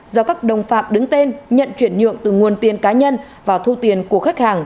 do các đồng phạm đứng tên nhận chuyển nhượng từ nguồn tiền cá nhân và thu tiền của khách hàng